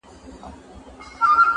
د وخت غلام نۀ شوم د تخت تابعداري نۀ کوم